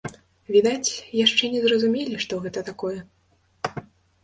Відаць, яшчэ не зразумелі, што гэта такое.